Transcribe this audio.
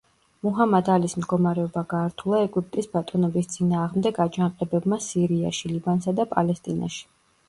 მუჰამად ალის მდგომარეობა გაართულა ეგვიპტის ბატონობის წინააღმდეგ აჯანყებებმა სირიაში, ლიბანსა და პალესტინაში.